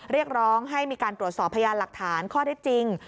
เรียกร้องให้มีการตรวจสอบพยานหลักฐานข้อได้จริง